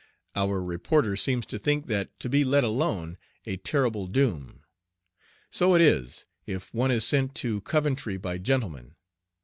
Our reporter seems to think that "to be let alone" a terrible doom. So it is, if one is sent to Coventry by gentlemen.